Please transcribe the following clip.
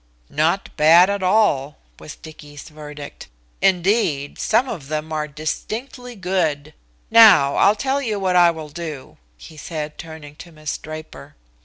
"Not bad at all," was Dicky's verdict. "Indeed, some of them are distinctly good. Now I'll tell you what I will do," he said, turning to Miss Draper.